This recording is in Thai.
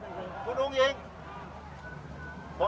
เพราะคุณท้องแปดเดือนคุณท้องแปดเดือน